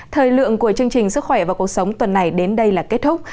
thời lượng của chương trình sức khỏe và cuộc sống tuần này đến đây là kết thúc